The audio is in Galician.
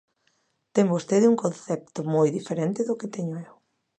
Ten vostede un concepto moi diferente do que teño eu.